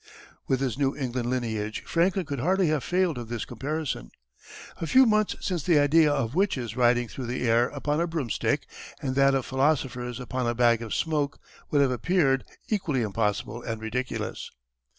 With his New England lineage Franklin could hardly have failed of this comparison: "A few Months since the Idea of Witches riding through the Air upon a broomstick, and that of Philosophers upon a Bag of Smoke would have appeared equally impossible and ridiculous."